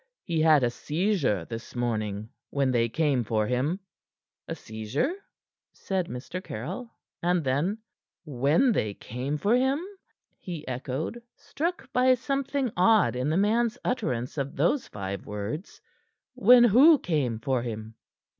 He had a seizure this morning when they came for him." "A seizure?" said Mr. Caryll. And then: "When they came for him?" he echoed, struck by something odd in the man's utterance of those five words. "When who came for him?"